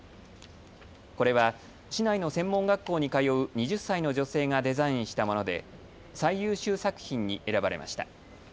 これは市内の専門学校に通う２０歳の女性がデザインしたもので最優秀作品に選ばれました。